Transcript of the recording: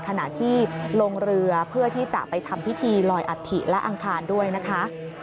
ขณะที่ลงเรือเพื่อที่จะไปทำพิธีลอยอัฐิและอังคารด้วยนะคะ